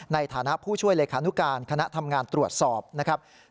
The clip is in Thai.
ในฐานะผู้ช่วยเลขานุการคณะทำงานตรวจสอบนะครับ